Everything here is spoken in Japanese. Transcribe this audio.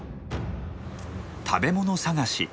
食べ物探し。